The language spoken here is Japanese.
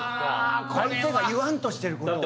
相手が言わんとしてる事を。